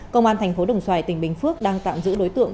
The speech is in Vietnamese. công an thành phố đồng xoài tỉnh bình phước đang tạm giữ đối tượng